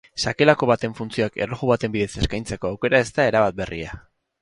Sakelako baten funtzioak erloju baten bidez eskaintzeko aukera ez da erabat berria.